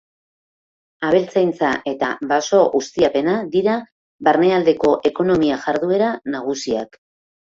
Abeltzaintza eta baso-ustiapena dira barnealdeko ekonomia-jarduera nagusiak.